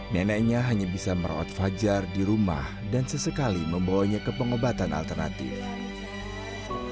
neneknya hanya bisa merawat fajar di rumah dan sesekali membawanya ke pengobatan alternatif